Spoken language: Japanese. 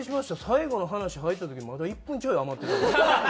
最後の話入った時にまだ１分ちょい余ってた。